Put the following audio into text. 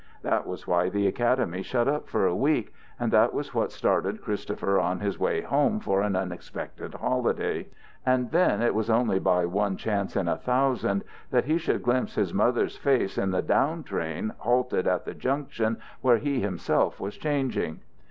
That was why the academy shut up for a week, and that was what started Christopher on his way home for an unexpected holiday. And then it was only by one chance in a thousand that he should glimpse his mother's face in the down train halted at the junction where he himself was changing.